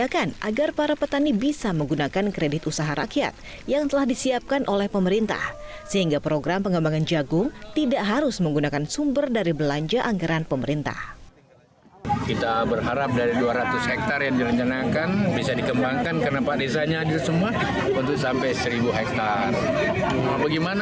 ketika menangani tanaman jagung di jakarta juga